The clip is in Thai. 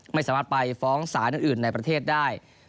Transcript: ไม่สามารถไปฟ้องศาลอื่นในประเทศได้